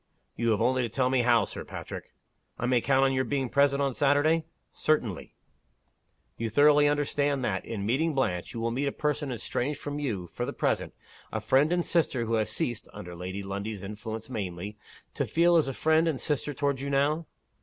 "You have only to tell me how, Sir Patrick." "I may count on your being present on Saturday?" "Certainly." "You thoroughly understand that, in meeting Blanche, you will meet a person estranged from you, for the present a friend and sister who has ceased (under Lady Lundie's influence mainly) to feel as a friend and sister toward you now?"